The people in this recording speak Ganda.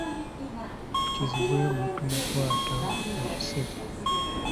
Kizibwe wo tomukwata mu kiseke.